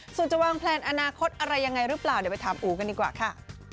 ส่วนจะวางแพลนอนาคตอะไรยังไงหรือเปล่าเดี๋ยวไปถามอู๋กันดีกว่าค่ะ